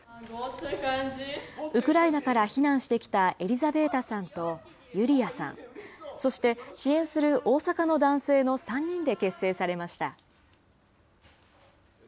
ウクライナから避難してきたエリザベータさんと、ユリヤさん、そして、支援する大阪の男性の３人で結成されました。